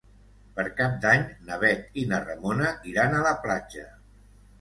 Per Cap d'Any na Bet i na Ramona iran a la platja.